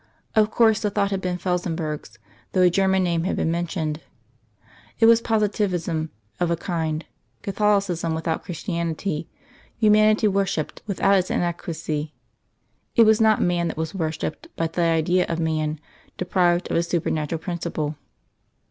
Of course the thought had been Felsenburgh's, though a German name had been mentioned. It was Positivism of a kind, Catholicism without Christianity, Humanity worship without its inadequacy. It was not man that was worshipped but the Idea of man, deprived of his supernatural principle.